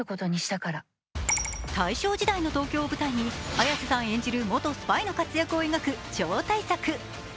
大正時代の東京を舞台に綾瀬さん演じる元スパイの活躍を描く超大作。